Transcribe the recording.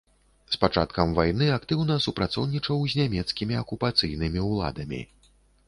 З пачаткам вайны актыўна супрацоўнічаў з нямецкімі акупацыйнымі ўладамі.